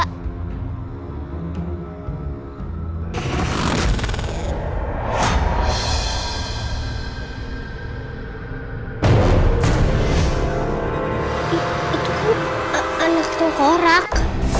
itu kan anak tang kurak